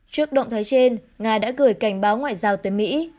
trước động thái trên nga đã gửi cảnh báo ngoại giao tới mỹ